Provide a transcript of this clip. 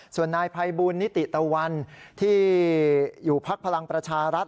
ส่วนนายภัยบูลนิติตะวันที่อยู่พักพลังประชารัฐ